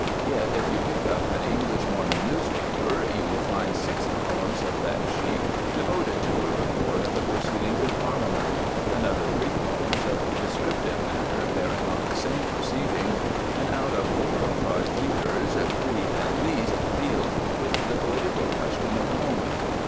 Yet, if you pick up an English morning newspaper, you will find six columns of that sheet devoted to a report of the proceedings in Parliament; another three columns of descriptive matter bearing on the same proceedings; and, out of four or five leaders, three at least deal with the political question of the moment.